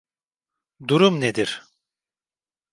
Durum nedir?